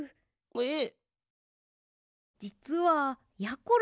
えっ！？